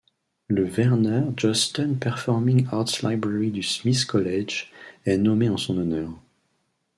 Le Werner Josten Performing Arts Library du Smith College est nommé en son honneur.